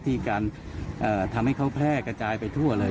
การทำให้เขาแพร่กระจายไปทั่วเลย